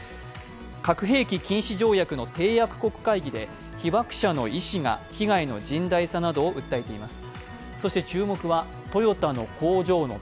核兵器禁止条約の締約国会議で被爆者の医師が被害の甚大さなどを訴えています。